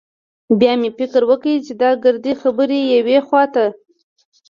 بيا مې فکر وکړ چې دا ګردې خبرې يوې خوا ته.